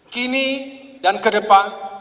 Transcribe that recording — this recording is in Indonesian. kini dan kedepan